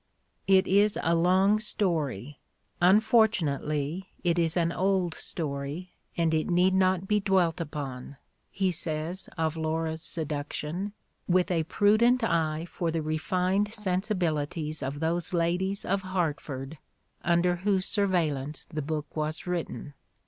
"It is a long story: unfortunately, it is an old story, and it need not be dwelt upon," he says of Laura's seduction, with a prudent eye for the refined sensibilities of those ladies of Hartford under whose surveillance the book was written.